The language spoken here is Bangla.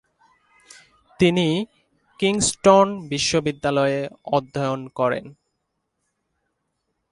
তিনি কিংস্টন বিশ্ববিদ্যালয়ে অধ্যয়ন করেন।